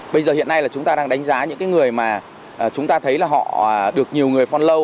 bây giờ hiện nay chúng ta đang đánh giá những người mà chúng ta thấy là họ được nhiều người follow